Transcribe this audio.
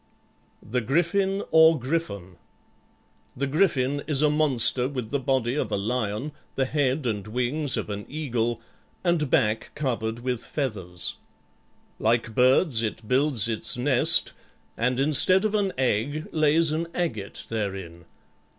THE GRIFFIN, OR GRYPHON The Griffin is a monster with the body of a lion, the head and wings of an eagle, and back covered with feathers. Like birds it builds its nest, and instead of an egg lays an agate therein.